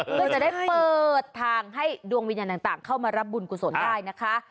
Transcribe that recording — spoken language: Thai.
เพื่อจะได้เปิดทางให้ดวงวิญญาณต่างเข้ามารับบุญกุศลได้นะคะ